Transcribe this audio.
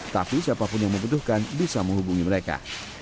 tapi siapapun yang membutuhkan bisa menghubungi mereka